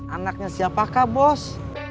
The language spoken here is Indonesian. anaknya siapakah bos